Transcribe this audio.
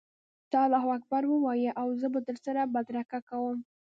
ته الله اکبر ووایه او زه در سره بدرګه کوم.